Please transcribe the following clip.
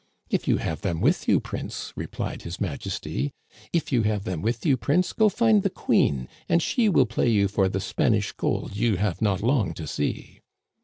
"* If you have them with you, prince,' replied His Majesty, * If you have them with you, prince, go find the queen, and she Will play you for the Spanish gold you have not long to see